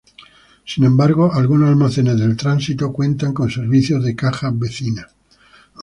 Sin embargo, algunos almacenes de El Tránsito cuentan con servicio de Caja Vecina.